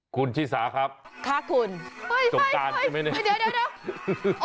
คุณชิสาครับค่ะคุณสงการใช่ไหมเนี่ยเดี๋ยว